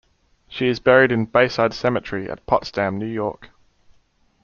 She is buried in Bayside Cemetery at Potsdam, New York.